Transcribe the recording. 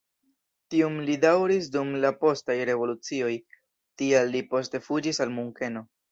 Tiun li daŭris dum la postaj revolucioj, tial li poste fuĝis al Munkeno.